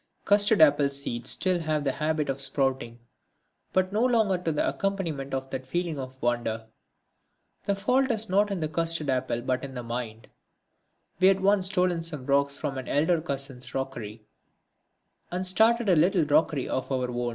Custard apple seeds still have the habit of sprouting, but no longer to the accompaniment of that feeling of wonder. The fault is not in the custard apple but in the mind. We had once stolen some rocks from an elder cousin's rockery and started a little rockery of our own.